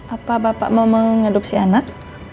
apa bapak mau mengadopsi anak